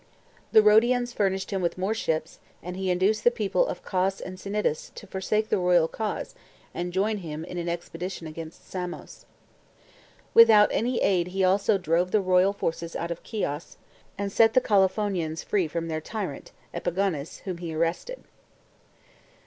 The Rhodians furnished him with more ships, and he induced the people of Cos and Cnidus to forsake the royal cause and join him in an expedition against Samos. With out any aid he also drove the royal forces out of Chios,! and set the Colophonians free from their tyrant, Epigonus, whom he arrested.